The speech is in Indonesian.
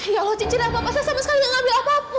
ya allah cincin apa apa saya sama sekali gak ngambil apapun